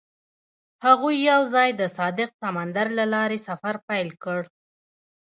هغوی یوځای د صادق سمندر له لارې سفر پیل کړ.